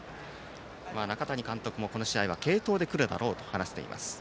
中谷監督も、この試合は継投でくるだろうと話しています。